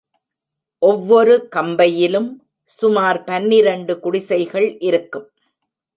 ஒவ்வொரு கம்பையிலும், சுமார் பன்னிரண்டு குடிசைகள் இருக்கும்.